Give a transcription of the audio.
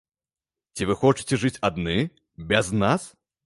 Ці вы хочаце жыць адны, без нас?